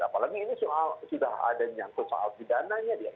apalagi ini sudah ada yang soal pidananya